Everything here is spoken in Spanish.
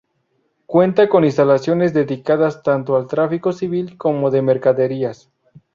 Cuenta con instalaciones dedicadas tanto al tráfico civil como de mercaderías.